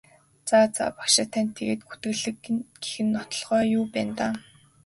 За за багшаа танд тэгээд гүтгэлэг гэх нотолгоо юу байна даа?